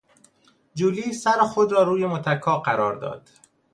جولی سر خود را روی متکا قرار داد.